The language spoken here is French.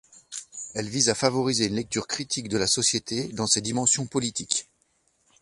Elle vise à favoriser une lecture critique de la société dans ses dimensions politiques.